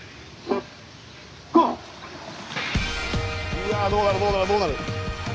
うわどうなるどうなるどうなる。